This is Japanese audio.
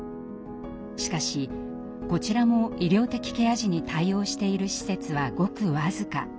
しかしこちらも医療的ケア児に対応している施設はごく僅か。